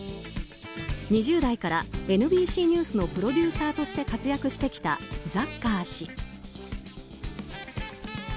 ２０代からＮＢＣニュースのプロデューサーとして活躍してきたザッカー氏。